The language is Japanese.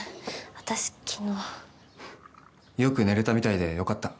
私昨日よく寝れたみたいでよかった